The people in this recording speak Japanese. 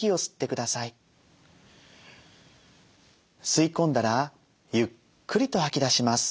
吸い込んだらゆっくりとはき出します。